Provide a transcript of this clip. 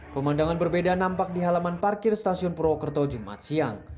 pemandangan berbeda nampak di halaman parkir stasiun purwokerto jumat siang